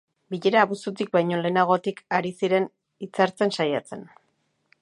Bilera abuztutik baino lehenagotik ari ziren hitzartzen saiatzen.